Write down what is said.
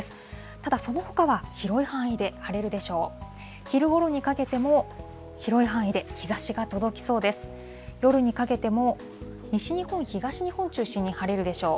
ただそのほかは広い範囲で晴れるでしょう。